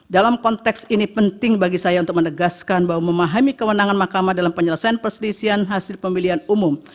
dalam konteks ini penting bagi saya untuk menegaskan bahwa memahami kewenangan mahkamah dalam penyelesaian perselisihan hasil pemilihan umum